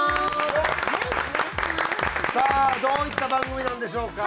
さあどういった番組なんでしょうか？